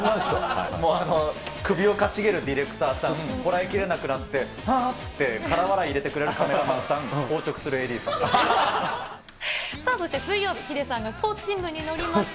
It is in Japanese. もう首をかしげるディレクターさん、こらえきれなくなって、ははってから笑い入れてくれるカメラさん、さあ、そして水曜日、ヒデさんがスポーツ新聞に載りました。